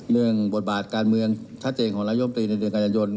เรื่องบทบาทการเมืองชัดเจนของนายกรัฐมนตรีในเดือนการยนต์ยนต์